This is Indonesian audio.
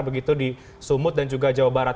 begitu di sumut dan juga jawa barat